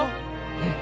うん！